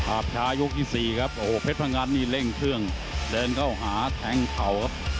อาบชายุคที่๔ครับโอ้เพชรพะงันนี่เร่งเครื่องเดินเข้าหาแทงข่าวครับ